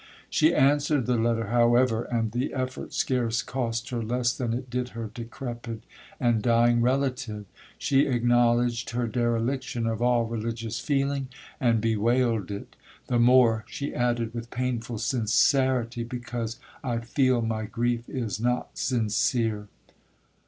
She answered the letter, however, and the effort scarce cost her less than it did her decrepid and dying relative. She acknowledged her dereliction of all religious feeling, and bewailed it—the more, she added with painful sincerity, because I feel my grief is not sincere.